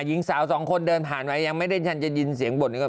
หญิงสาวสองคนเดินผ่านมายังไม่ได้ชันจะยินเสียงบ่น